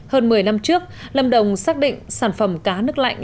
hơn một mươi năm trước lâm đồng xác định sản phẩm cá nước lạnh